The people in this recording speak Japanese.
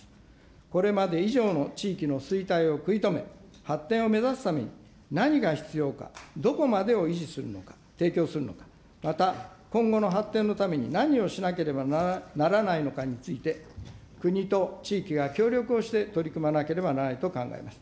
これまで以上の地域の衰退を食い止め、発展を目指すために何が必要か、どこまでを維持するのか、提供するのか、また、今後の発展のために何をしなければならないのかについて、国と地域が協力をして取り組まなければならないと考えます。